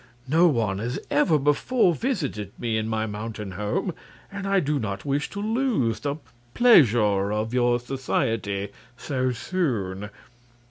No one has ever before visited me in my mountain home, and I do not wish to lose the pleasure of your society so soon."